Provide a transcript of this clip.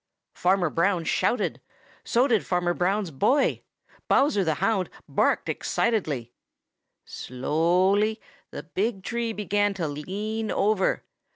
Farmer Brown shouted. So did Farmer Brown's boy. Bowser the Hound barked excitedly. Slowly the big tree began to lean over.